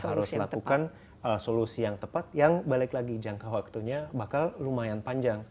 harus melakukan solusi yang tepat yang balik lagi jangka waktunya bakal lumayan panjang